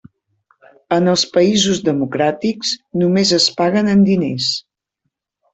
En els països democràtics, només es paguen en diners.